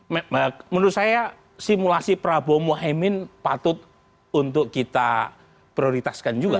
menurut saya simulasi prabowo mohaimin patut untuk kita prioritaskan juga